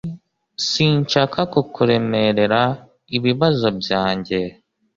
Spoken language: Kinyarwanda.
Sinshaka kukuremerera ibibazo byanjye